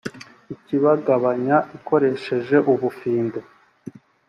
ikibagabanya ikoresheje ubufindo